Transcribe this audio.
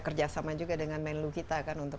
kerjasama juga dengan menlu kita kan untuk